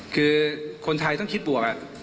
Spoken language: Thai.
คือคนไทยต้องคิดบวก